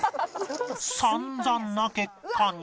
散々な結果に